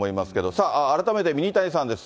さあ、改めてミニタニさんです。